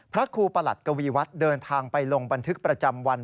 พระครูประหลัดกวีวัฒน์เดินทางไปลงบันทึกประจำวัน